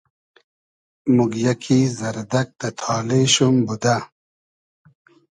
موگیۂ کی زئردئگ دۂ تالې شوم بودۂ